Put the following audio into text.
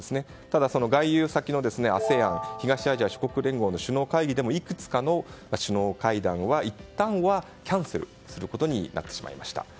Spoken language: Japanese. ただ、その外遊先のＡＳＥＡＮ東アジア諸国連合首脳会議でもいくつかの首脳会談はいったんはキャンセルすることになりました。